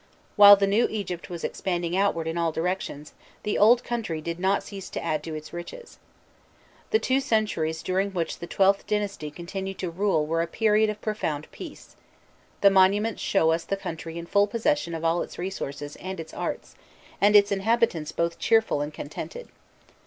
While the new Egypt was expanding outwards in all directions, the old country did not cease to add to its riches. The two centuries during which the XIIth dynasty continued to rule were a period of profound peace; the monuments show us the country in full possession of all its resources and its arts, and its inhabitants both cheerful and contented.